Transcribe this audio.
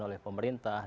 di situ ada aturan aturan